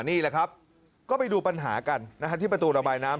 นี่แหละครับก็ไปดูปัญหากันที่ประตูระบายน้ำ